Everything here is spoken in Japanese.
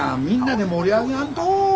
みんなで盛り上げやんと。